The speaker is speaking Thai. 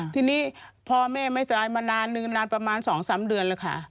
ทีนี้พ่อแม่ไม่ตายมานานนึงนานประมาณ๒๓เดือนแล้วค่ะ